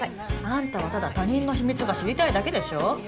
あんたはただ他人の秘密が知りたいだけでしょ。